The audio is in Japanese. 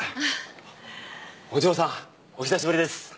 お嬢さんお久しぶりです。